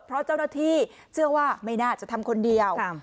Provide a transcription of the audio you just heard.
เพราะเจ้าหน้าที่เชื่อว่าไม่น่าจะทำคนเดียว